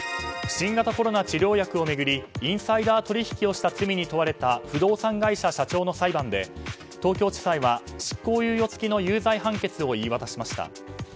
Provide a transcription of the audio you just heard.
新型コロナ治療薬を巡りインサイダー取引をした罪に問われた不動産会社社長の裁判で東京地裁は執行猶予付きの有罪判決を言い渡しました。